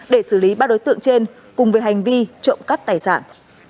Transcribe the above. để xử lý ba đối tượng trên cùng với hành vi trộm cắp tài sản